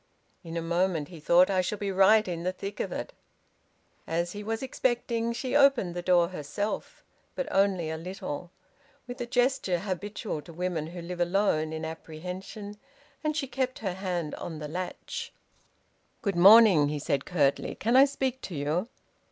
"In a moment," he thought, "I shall be right in the thick of it!" As he was expecting, she opened the door herself; but only a little, with the gesture habitual to women who live alone in apprehension, and she kept her hand on the latch. "Good morning," he said curtly. "Can I speak to you?"